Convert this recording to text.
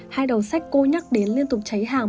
hai đầu sách cô nhắc đến liên tục cháy hàng